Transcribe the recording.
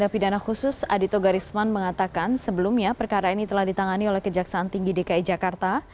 pak rizman mengatakan sebelumnya perkara ini telah ditangani oleh kejaksaan tinggi dki jakarta